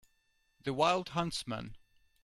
The wild huntsman.